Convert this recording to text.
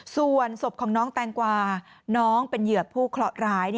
ส่วนศพของน้องแตงกวาน้องเป็นเหยื่อผู้เคราะห์ร้าย